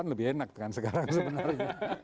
lebih enak kan sekarang sebenarnya